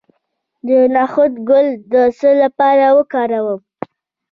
د نخود ګل د څه لپاره وکاروم؟